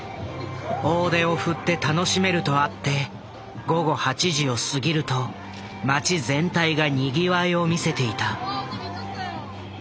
大手を振って楽しめるとあって午後８時を過ぎると街全体がにぎわいを見せていた。